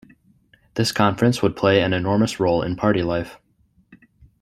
This conference would play an enormous role in party life.